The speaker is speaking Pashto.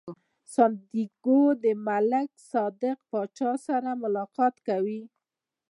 سانتیاګو د ملک صادق پاچا سره ملاقات کوي.